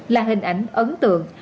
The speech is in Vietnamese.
là hình ảnh ấn tượng